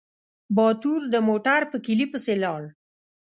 باتور د موټر په کيلي پسې لاړ.